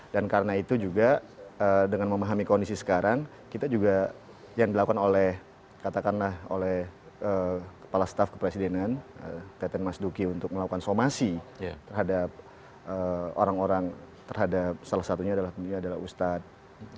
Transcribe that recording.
dan karena itu juga dengan memahami kondisi sekarang kita juga yang dilakukan oleh katakanlah oleh kepala staff kepresidenan teten mas duki untuk melakukan somasi terhadap orang orang terhadap salah satunya adalah ustadz